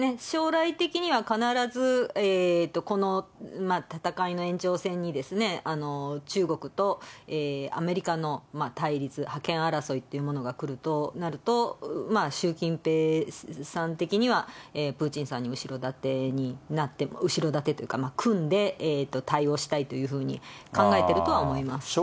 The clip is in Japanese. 将来的には必ず、この戦いの延長戦に、中国とアメリカの対立、覇権争いというものがくるとなると、習近平さん的には、プーチンさんに後ろ盾になって、後ろ盾というか、組んで、対応したいというふうに考えているとは思います。